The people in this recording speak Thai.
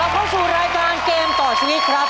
เข้าสู่รายการเกมต่อชีวิตครับ